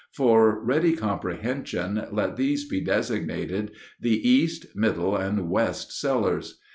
For ready comprehension, let these be designated the east, middle, and west cellars.